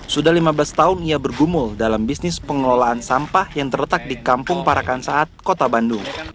sudah lima belas tahun ia bergumul dalam bisnis pengelolaan sampah yang terletak di kampung parakan saat kota bandung